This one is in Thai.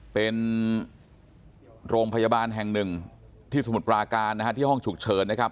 เป็นโรงพยาบาลแห่งหนึ่งที่สมุทรปราการนะฮะที่ห้องฉุกเฉินนะครับ